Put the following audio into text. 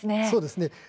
そうですね